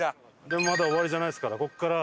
でもまだ終わりじゃないですから。